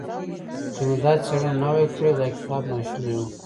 که مې دا څېړنه نه وای کړې دا کتاب ناشونی و.